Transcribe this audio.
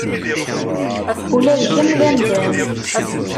Ula d kemm d amdan.